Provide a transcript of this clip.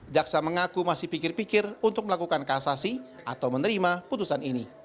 jaksa mengaku masih pikir pikir untuk melakukan kasasi atau menerima putusan ini